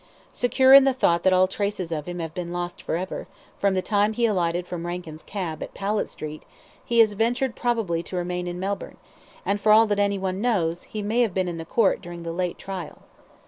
Secure in the thought that all traces of him have been lost for ever, from the time he alighted from Rankin's cab, at Powlett Street, he has ventured probably to remain in Melbourne, and, for all that anyone knows, he may have been in the court during the late trial.